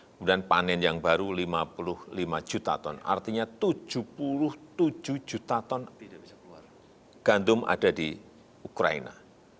kemudian panen yang baru lima puluh lima juta ton artinya tujuh puluh tujuh juta ton gandum ada di ukraina